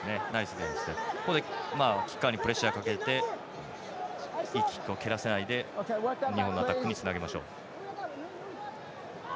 ここでキッカーにプレッシャーかけていいキックを蹴らせないで日本のアタックに備えましょう。